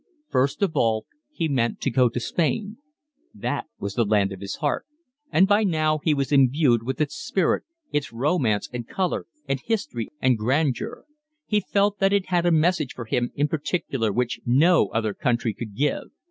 First of all he meant to go to Spain. That was the land of his heart; and by now he was imbued with its spirit, its romance and colour and history and grandeur; he felt that it had a message for him in particular which no other country could give.